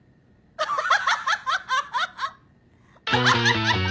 ハハハハ。